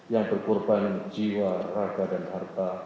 yang berkorban jiwa raga dan harta